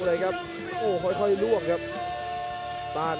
ชาเลน์